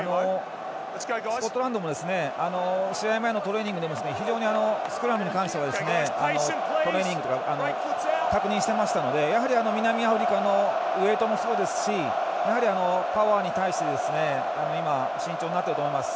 スコットランドも試合前のトレーニングでもスクラムに関しては確認していましたのでやはり、南アフリカのウエイトもそうですしパワーに対して慎重になっていると思います。